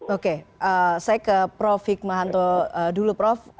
oke saya ke prof hikmahanto dulu prof